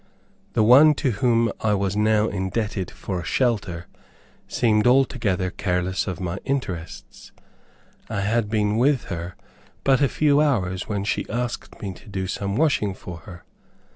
The one to whom I was now indebted for a shelter seemed altogether careless of my interests. I had been with her but a few hours when she asked me to do some washing for her.